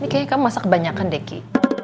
kamu masak kebanyakan deki